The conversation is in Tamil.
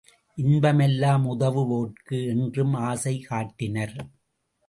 இன்ப மெல்லாம் உதவு வோர்க்கே என்றும் ஆசை காட்டினர்.